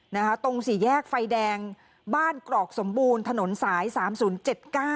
ตรงสี่แยกไฟแดงบ้านกรอกสมบูรณ์ถนนสายสามศูนย์เจ็ดเก้า